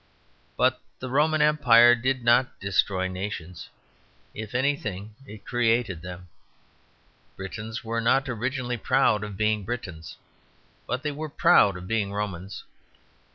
But the Roman Empire did not destroy nations; if anything, it created them. Britons were not originally proud of being Britons; but they were proud of being Romans.